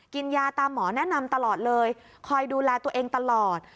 กินยาตามหมอแนะนำตลอดเลยคอยดูแลตัวเองตลอด